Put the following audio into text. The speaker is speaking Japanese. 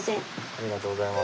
ありがとうございます。